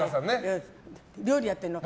料理やってるの。